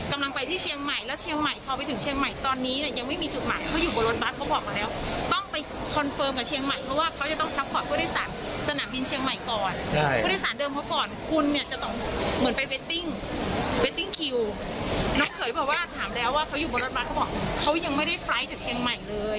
โอ้ยเนี่ยผู้โดยสารก็บอกว่าโอ้ยเนี่ยผู้โดยสารก็บอกว่า